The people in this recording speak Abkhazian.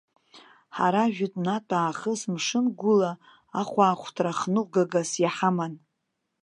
Ҳара жәытәнатә аахыс мшынгәыла ахәаахәҭра хныҟәгагас иҳаман.